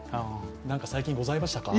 何か最近ございましたか？